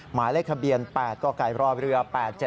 หมายเลขะเบียน๘ก็กลายรอบเรือ๘๗๙๒